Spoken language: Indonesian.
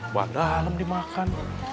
bahan dalem dimakan